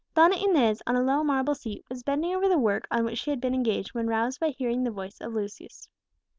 Donna Inez, on a low marble seat, was bending over the work on which she had been engaged when roused by hearing the voice of Lucius.